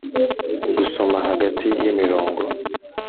gusoma hagati y'imirongo